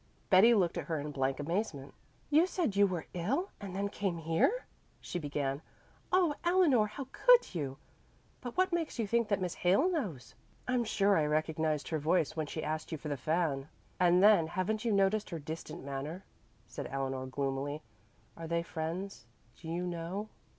Betty looked at her in blank amazement. "You said you were ill and then came here!" she began. "Oh, Eleanor, how could you! But what makes you think that Miss Hale knows?" "I'm sure I recognized her voice when she asked you for the fan, and then haven't you noticed her distant manner?" said Eleanor gloomily. "Are they friends, do you know?"